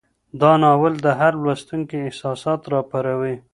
دا ناول د هر لوستونکي احساسات راپاروي.